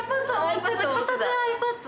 片手ｉＰａｄ